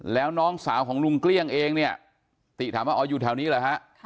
แล้วน้องสาวของลุงเกลี้ยงเองเนี่ยติถามว่าอ๋ออยู่แถวนี้เหรอฮะ